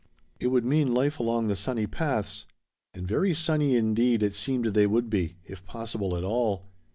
It would mean life along the sunny paths. And very sunny indeed it seemed they would be if possible at all.